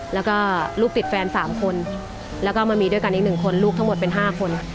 แล้วก็ลูกติดแฟน๓คนแล้วก็มามีด้วยกันอีก๑คนลูกทั้งหมดเป็น๕คน